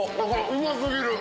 うま過ぎる。